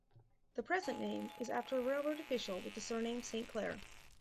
The present name is after a railroad official with the surname Saint Clair.